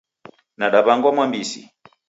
Nadaw'angwa Mwambisi.